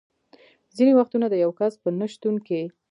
ځینې وختونه د یو کس په نه شتون کې.